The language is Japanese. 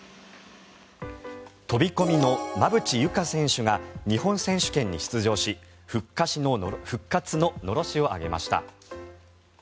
飛込の馬淵優佳選手が日本選手権に出場し復活ののろしを上げました。